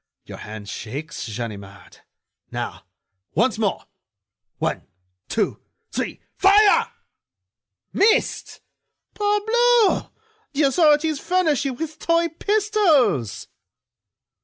Your hand shakes, Ganimard.... Now, once more ... one, two, three, fire!... Missed!... Parbleu! the authorities furnish you with toy pistols."